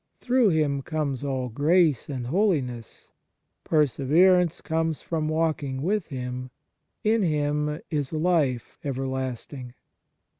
Through Him comes all grace and holiness; perseverance comes from walking with Him; in Him is life ever lasting.